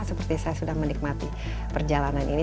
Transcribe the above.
seperti saya sudah menikmati perjalanan ini